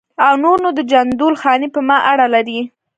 او نور نو د جندول خاني په ما اړه لري.